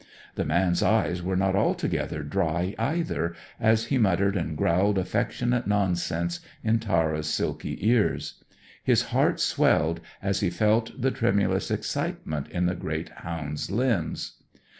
The man's eyes were not altogether dry, either, as he muttered and growled affectionate nonsense in Tara's silky ears. His heart swelled as he felt the tremulous excitement in the great hound's limbs.